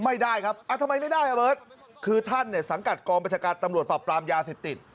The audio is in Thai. ไม่ได้ครับทำไมไม่ได้อ่ะเบิร์ตคือท่านเนี่ยสังกัดกองประชาการตำรวจปรับปรามยาเสพติด